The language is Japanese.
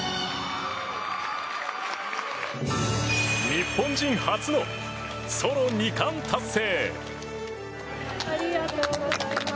日本人初のソロ２冠達成！